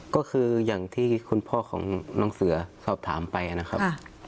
ก็คืออย่างที่คุณพ่อของน้องเสือสอบถามไปนะครับ